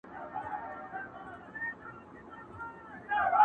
څه به وايي دا مخلوق او عالمونه؟.!